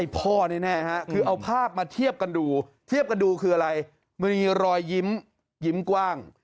พ่อแน่คือเอาภาพมาเทียบกันดูเทียบกันดูคืออะไรมันมีรอยยิ้มยิ้มกว้าง